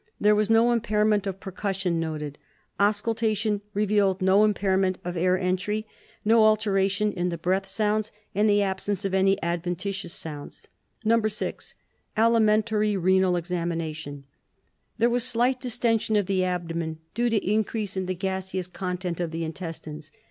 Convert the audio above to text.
There was no impairment of percussion noted. Auscultation revealed no impairment of air entry, no alteration in the breath sounds, and the absence of any adventitious sounds. 6. Alimentary renal Examination: There was slight distention of the abdomen, due to increase in the gaseous content of the intestines.